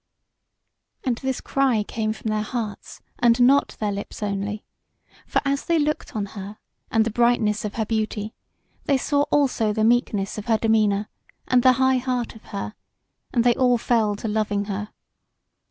And this cry came from their hearts, and not their lips only; for as they looked on her, and the brightness of her beauty, they saw also the meekness of her demeanour, and the high heart of her, and they all fell to loving her.